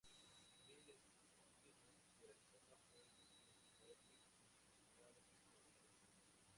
Miles Simon, de Arizona, fue el máximo anotador y considerado Mejor Jugador del Torneo.